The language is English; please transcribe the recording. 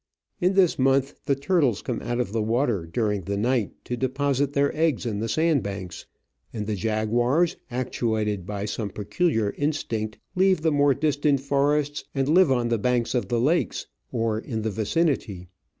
In this month the turtles come out of the water during the night to deposit their eggs in the sand banks, and the jaguars, actuated by some peculiar instinct, leave the Digitized by VjOOQIC 184 Travels and Adventures more distant forests and live on the banks of the lakes, or in the vicinity.